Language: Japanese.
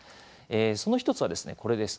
その１つはこれです。